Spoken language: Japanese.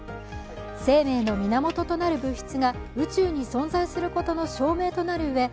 生命の源となる物質が宇宙に存在することの証明となるうえ、